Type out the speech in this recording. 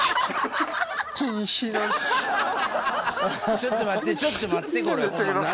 ちょっと待ってちょっと待ってこれホンマ何？